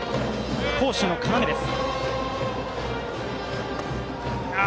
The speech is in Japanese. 攻守の要です。